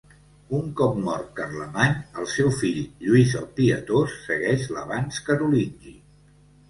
Un cop mort Carlemany, el seu fill, Lluís el Pietós, segueix l'avanç carolingi.